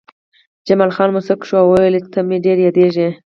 جمال خان موسک شو او وویل چې ته به مې ډېر یاد شې